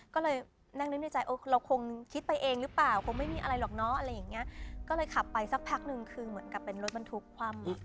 ก็เลยนั่งนึกในใจเออเราคงคิดไปเองหรือเปล่าคงไม่มีอะไรหรอกเนอะอะไรอย่างเงี้ยก็เลยขับไปสักพักนึงคือเหมือนกับเป็นรถบรรทุกคว่ำ